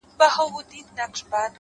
• د احتیاج په ورځ د هر سړي غلام وي,